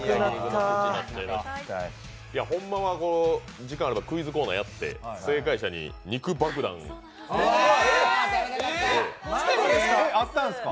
ほんまは時間あればクイズコーナーやって、正解者に肉バクダンをあったんですが。